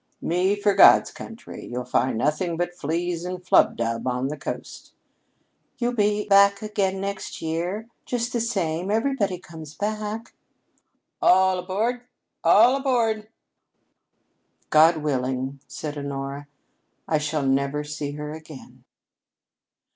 "Me for God's country! You'll find nothing but fleas and flubdub on the Coast." "You'll be back again next year, just the same. Everybody comes back." "All aboard! All aboard!" "God willing," said Honora, "I shall never see her again."